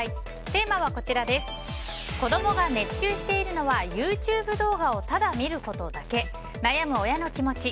テーマは子供が熱中しているのはＹｏｕＴｕｂｅ動画をただ見ることだけ悩む親の気持ち。